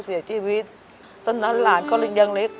ก็เสียชีวิตตอนนั้นหลานก็ยังเล็ก